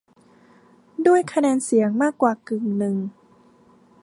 ด้วยคะแนนเสียงมากกว่ากึ่งหนึ่ง